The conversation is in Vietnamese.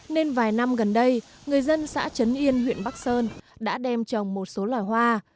nên vài năm gần đây người dân xã trấn yên huyện bắc sơn đã đem trồng một số loài hoa